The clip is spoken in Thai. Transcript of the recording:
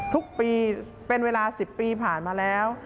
ทุกปีเป็นเวลา๑๐ปีผ่านมาแล้ว